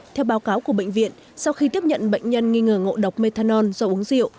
theo báo cáo của bệnh viện sau khi tiếp nhận bệnh nhân nghi ngờ ngộ độc methanol do uống rượu